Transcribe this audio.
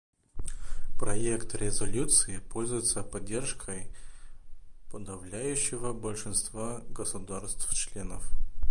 Проект резолюции пользуется поддержкой подавляющего большинства государств-членов.